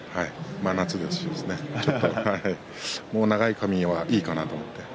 真夏ですしもう長い髪はいいかなと思って。